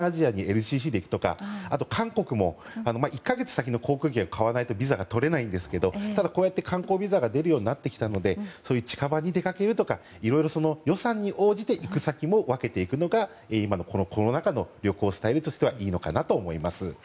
そういうこともありますしコストを抑えたい方は東南アジアにＬＣＣで行くとか韓国も１か月先の航空券を買わないとビザが取れないんですけどただ、こうやって観光ビザが出るようになってきたのでそういう近場に出かけるとかいろいろ予算に応じて行く先も分けていくのが今のコロナ禍の旅行スタイルとしてはいいのかなと思います。